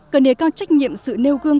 cần đề cao trách nhiệm sự nêu gương